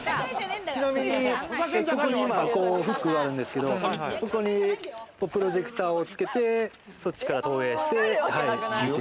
ちなみにここに今、フックがあるんですけど、ここにプロジェクターをつけて、そっちから投影して。